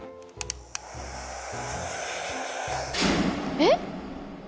えっ？